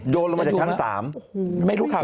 โยนลงมาจากชั้น๓